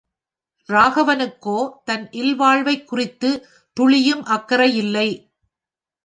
ராகவனுக்கோ தன் இல்வாழ்வைக்குறித்து துளியும் அக்கறையில்ல.